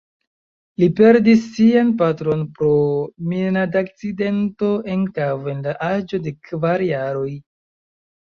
Li perdis sian patron pro minadakcidento en kavo en la aĝo de kvar jaroj.